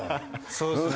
そうっすね。